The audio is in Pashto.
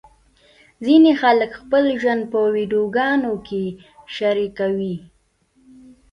ځینې خلک خپل ژوند په ویډیوګانو کې شریکوي.